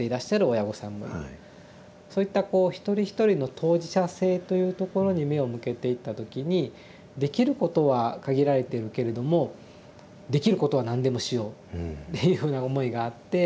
そういったこう一人一人の当事者性というところに目を向けていった時にできることは限られているけれどもできることは何でもしようっていうような思いがあって。